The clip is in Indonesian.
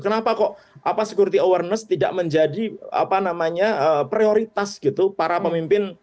kenapa kok apa security awareness tidak menjadi apa namanya prioritas gitu para pemimpin